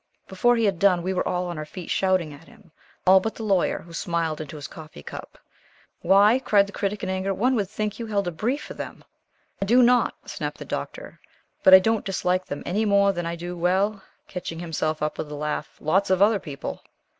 Before he had done, we were all on our feet shouting at him, all but the Lawyer, who smiled into his coffee cup. "Why," cried the Critic, in anger, "one would think you held a brief for them!" "I do NOT," snapped the Doctor, "but I don't dislike them any more than I do well," catching himself up with a laugh, "lots of other people."